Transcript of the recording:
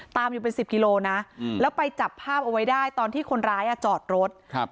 ตามอยู่เป็นสิบกิโลนะแล้วไปจับภาพเอาไว้ได้ตอนที่คนร้ายอ่ะจอดรถครับ